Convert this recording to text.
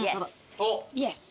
イエス。